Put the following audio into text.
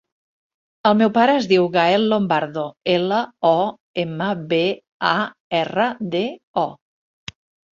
El meu pare es diu Gael Lombardo: ela, o, ema, be, a, erra, de, o.